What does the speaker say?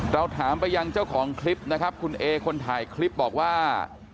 เราถามไปยังเจ้าของคลิปนะครับคุณเอคนถ่ายคลิปบอกว่า